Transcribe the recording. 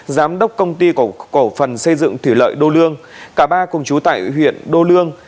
giám đốc công ty cổ phần xây dựng thủy lợi đô lương cả ba cùng chú tại huyện đô lương